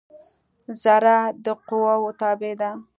ذره د قوؤ تابع ده.